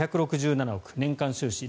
５６７億円年間収支